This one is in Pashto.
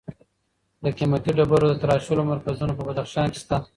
د قیمتي ډبرو د تراشلو مرکزونه په بدخشان کې شته.